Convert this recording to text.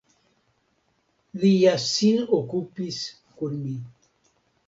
Li ja sin okupis kun mi.